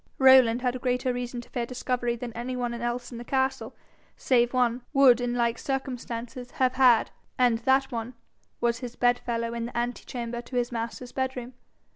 Rowland had greater reason to fear discovery than any one else in the castle, save one, would in like circumstances have had, and that one was his bedfellow in the ante chamber to his master's bedroom.